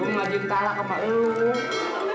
gue mengajuin talak sama lo